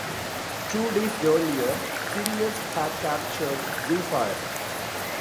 Two days earlier "Sirius" had captured "Zephyr".